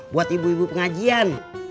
buat ibu ibu pengajian